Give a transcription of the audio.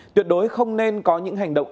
tuyệt đối không nên có những hành động